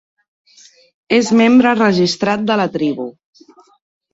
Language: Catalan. És membre registrat de la tribu.